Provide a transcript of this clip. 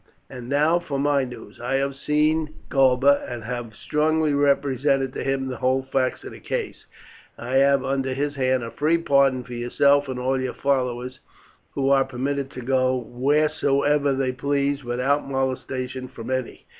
And now for my news. I have seen Galba, and have strongly represented to him the whole facts of the case, and I have, under his hand, a free pardon for yourself and all your followers, who are permitted to go wheresoever they please, without molestation from any.